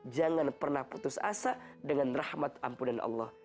jangan pernah putus asa dengan rahmat ampunan allah